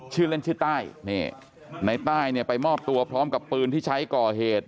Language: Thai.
ชื่อเล่นชื่อใต้นี่ในใต้เนี่ยไปมอบตัวพร้อมกับปืนที่ใช้ก่อเหตุ